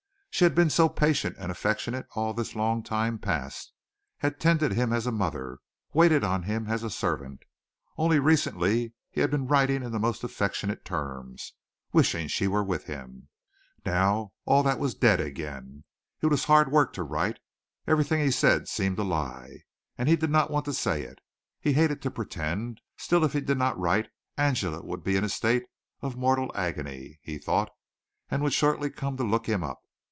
She had been so patient and affectionate all this long time past, had tended him as a mother, waited on him as a servant. Only recently he had been writing in most affectionate terms, wishing she were with him. Now all that was dead again. It was hard work to write. Everything he said seemed a lie and he did not want to say it. He hated to pretend. Still, if he did not write Angela would be in a state of mortal agony, he thought, and would shortly come to look him up.